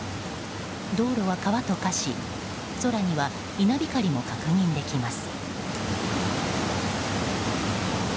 道路は川と化し、空には稲光も確認できます。